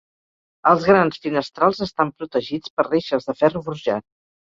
Els grans finestrals estan protegits per reixes de ferro forjat.